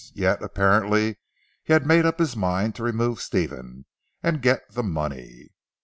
Yet, apparently he had made up his mind to remove Stephen, and get the money.